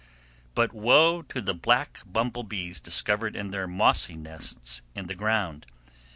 But woe to the black bumblebees discovered in their mossy nests in the ground!